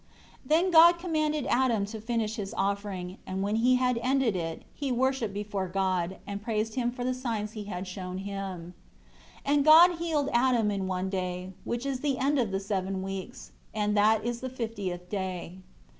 7 Then God commanded Adam to finish his offering, and when he had ended it he worshipped before God, and praised Him for the signs He had showed him. 8 And God healed Adam in one day, which is the end of the seven weeks; and that is the fiftieth day.